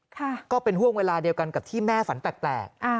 ค่ะก็เป็นเวลาเหมือนกันกับที่แม่ฝันแปลก